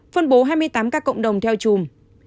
phân bố hai mươi tám ca cộng đồng theo chùm